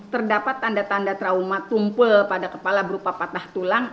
terdapat tanda tanda trauma tumpul pada kepala berupa patah tulang